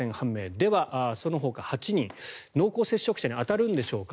では、そのほか８人は濃厚接触者に当たるんでしょうか。